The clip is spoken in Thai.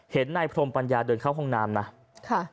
เห็นนายพรมปัญญาเดินเข้าห้องน้ำนะ